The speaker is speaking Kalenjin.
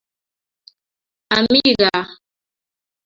amii gaa